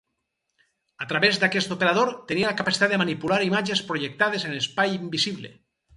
A través d'aquest operador tenia la capacitat de manipular imatges projectades en espai invisible.